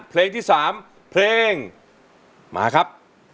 เพลงที่๓เพลงมาครับ